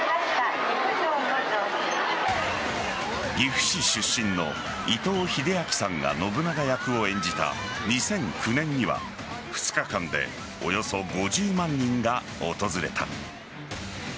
岐阜市出身の伊藤英明さんが信長役を演じた２００９年には２日間でおよそ５０万人が訪れた。